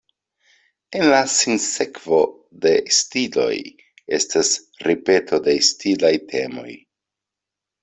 En la sinsekvo de stiloj, estas ripeto de stilaj temoj.